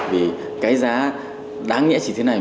vì cái giá đáng nghĩa chỉ thế này